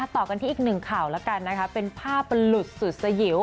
ต่อกันที่อีกหนึ่งข่าวแล้วกันนะคะเป็นภาพหลุดสุดสยิว